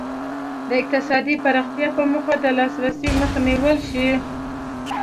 د اقتصادي پراختیا په موخه د لاسرسي مخه ونیول شي.